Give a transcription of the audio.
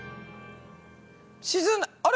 沈んだあれ？